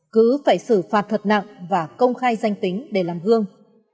cứ phải xử phạt thật nặng và công khai danh tính để làm hương